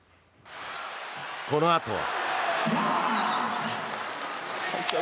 このあとは。